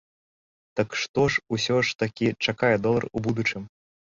Так што ж усё ж такі чакае долар у будучым?